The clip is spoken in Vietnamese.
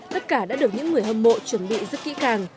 tất cả đã được những người hâm mộ chuẩn bị rất kỹ càng